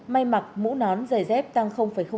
may mặc mũ nón giày dép tăng chín